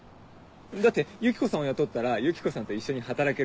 だってユキコさんを雇ったらユキコさんと一緒に働ける。